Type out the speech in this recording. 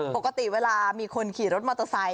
ปกติเวลามีคนขี่รถมอเตอร์ไซค